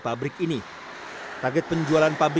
pembangunan durian ekspor